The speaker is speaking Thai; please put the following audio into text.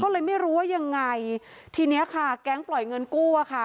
ก็เลยไม่รู้ว่ายังไงทีเนี้ยค่ะแก๊งปล่อยเงินกู้อะค่ะ